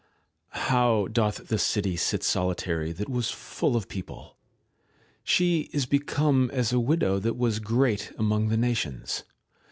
' How doth the city sit solitary that was full of people ! She is become as a widow that was great among the nations.'